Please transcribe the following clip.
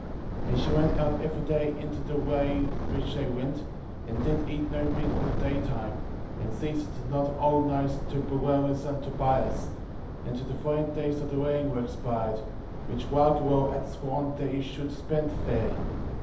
And she went out every day into the way which they went, and did eat no meat on the daytime, and ceased not whole nights to bewail her son Tobias, until the fourteen days of the wedding were expired, which Raguel had sworn that he should spend there.